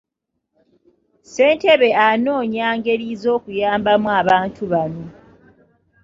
Ssentebe anoonya ngeri z'okuyambamu bantu bano.